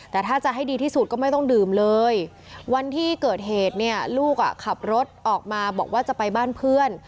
แต่ถ้าจะให้ดีที่สุดก็ไม่ต้องดื่มเลยวันที่เกิดเหตุเนี่ยลูกอ่ะขับรถออกมาบอกว่าจะไปบ้านเพื่อน